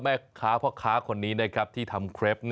แม่ค้าพ่อค้าคนนี้นะครับที่ทำครับ